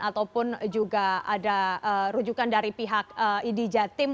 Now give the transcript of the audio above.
ataupun juga ada rujukan dari pihak idj tim